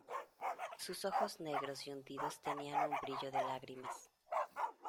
sus ojos negros y hundidos tenían un brillo de lágrimas.